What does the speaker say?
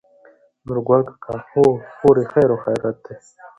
نورګل کاکا: هو خورې خېرخېرت دى.